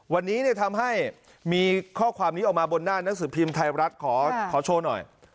วันนี้ทำให้มีข้อความนี้ออกมาบนหน้าหนังสือพิมพ์ไทยรัฐขอโชว์หน่อย